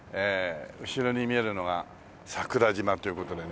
後ろに見えるのが桜島という事でね。